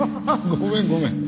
ごめんごめん。